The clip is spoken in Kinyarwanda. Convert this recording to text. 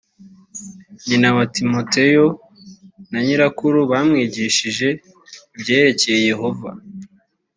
nyina wa timoteyo na nyirakuru bamwigishije ibyerekeye yehova